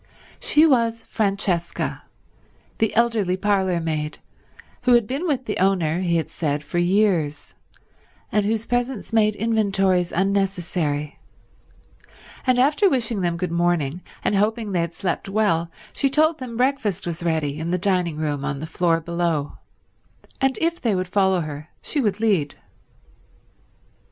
She was Francesca, the elderly parlour maid, who had been with the owner, he had said, for years, and whose presence made inventories unnecessary; and after wishing them good morning and hoping they had slept well, she told them breakfast was ready in the dining room on the floor below, and if they would follow her she would lead.